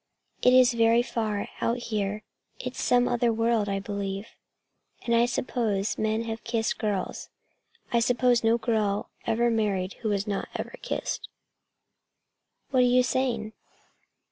"It is very far, out here. It's some other world, I believe. And I suppose men have kissed girls. I suppose no girl ever was married who was not ever kissed." "What are you saying?"